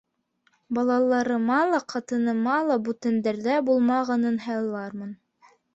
— Балаларыма ла, ҡатыныма ла бүтәндәрҙә булмағанын һайлармын.